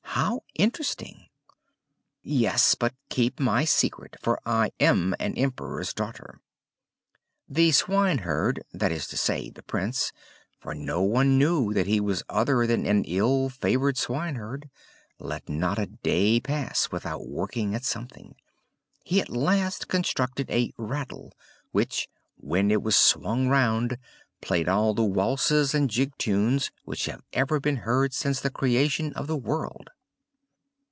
How interesting!" "Yes, but keep my secret, for I am an Emperor's daughter." The swineherd that is to say the Prince, for no one knew that he was other than an ill favored swineherd, let not a day pass without working at something; he at last constructed a rattle, which, when it was swung round, played all the waltzes and jig tunes, which have ever been heard since the creation of the world.